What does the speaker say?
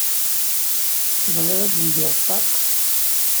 Tebɣiḍ ad d-ldiɣ ṭṭaq?